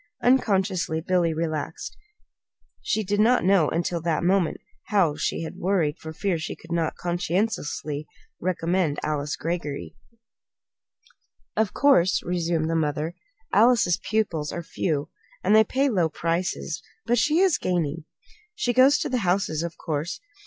Unconsciously Billy relaxed. She did not know until that moment how she had worried for fear she could not, conscientiously, recommend this Alice Greggory. "Of course," resumed the mother, "Alice's pupils are few, and they pay low prices; but she is gaining. She goes to the houses, of course.